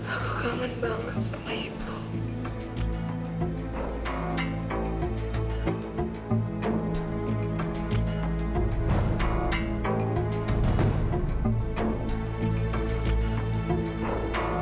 aku gak akan balik sama ibu